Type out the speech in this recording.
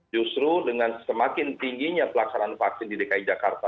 justru dengan semakin tingginya pelaksanaan vaksin di dki jakarta